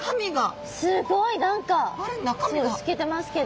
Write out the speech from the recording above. すごい！何か透けてますけど。